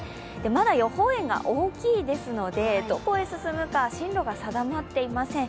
まだ予報円が大きいですので、どこへ進むか進路が定まっていません。